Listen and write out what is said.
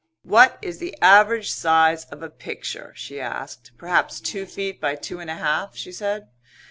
"What is the average size of a picture?" she asked. "Perhaps two feet by two and a half," she said.